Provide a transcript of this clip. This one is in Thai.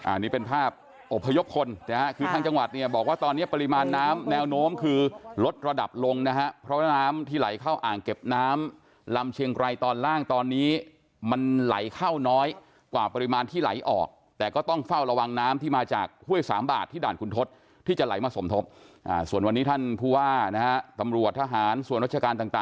อันนี้เป็นภาพอบพยพคนนะฮะคือทางจังหวัดเนี่ยบอกว่าตอนนี้ปริมาณน้ำแนวโน้มคือลดระดับลงนะฮะเพราะว่าน้ำที่ไหลเข้าอ่างเก็บน้ำลำเชียงไกรตอนล่างตอนนี้มันไหลเข้าน้อยกว่าปริมาณที่ไหลออกแต่ก็ต้องเฝ้าระวังน้ำที่มาจากห้วยสามบาทที่ด่านคุณทศที่จะไหลมาสมทบส่วนวันนี้ท่านผู้ว่านะฮะตำรวจทหารส่วนราชการต่าง